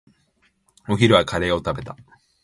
お昼はカレーを食べた。